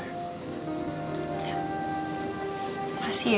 ya kasih ya